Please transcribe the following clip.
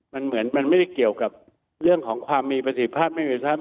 มันเหมือนมันไม่ได้เกี่ยวกับเรื่องของความมีประสิทธิภาพไม่มีทรัพย